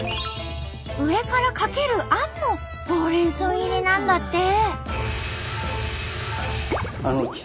上からかけるあんもほうれん草入りなんだって。